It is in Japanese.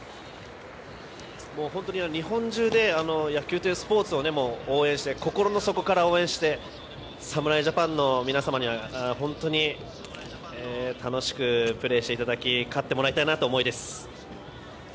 日本中で野球というスポーツを心の底から応援して侍ジャパンの皆様には本当に、楽しくプレーしていただき勝ってもらいたいという思いです。